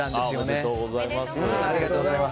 ありがとうございます。